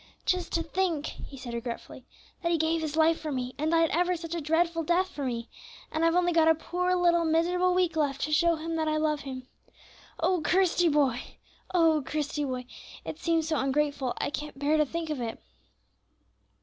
Just to think," he said regretfully, "that He gave His life for me, and died ever such a dreadful death for me, and I've only got a poor little miserable week left to show that I love Him. Oh, Christie, boy! oh, Christie, boy! it seems so ungrateful; I can't bear to think of it."